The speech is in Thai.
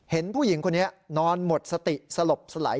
เห็นผู้หญิงคนนี้นอนหมดสติสลบสลาย